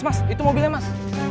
mas itu mobilnya mas